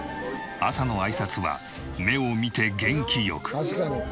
朝のあいさつは目を見て元気よく！